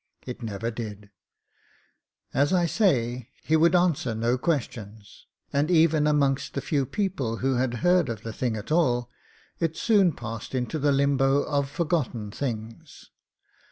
It never did. As I say, he would answer no questions, and even amongst the few people who had heard of the thing at all, it soon passed into the limbo of forgotten things.